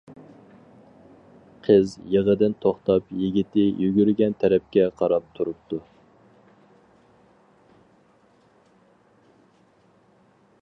قىز يىغىدىن توختاپ يىگىتى يۈگۈرگەن تەرەپكە قاراپ تۇرۇپتۇ.